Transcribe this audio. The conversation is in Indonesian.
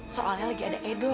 soalnya lagi ada edo